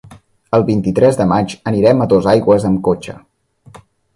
El vint-i-tres de maig anirem a Dosaigües amb cotxe.